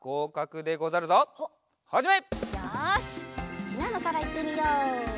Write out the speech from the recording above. すきなのからいってみよう。